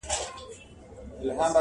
ایله پوه د خپل وزیر په مُدعا سو،